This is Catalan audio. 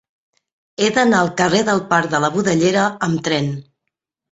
He d'anar al carrer del Parc de la Budellera amb tren.